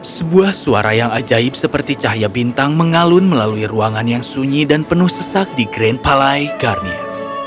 sebuah suara yang ajaib seperti cahaya bintang mengalun melalui ruangan yang sunyi dan penuh sesak di grand palai garnia